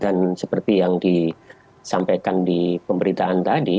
seperti yang disampaikan di pemberitaan tadi